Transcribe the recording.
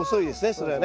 それはね。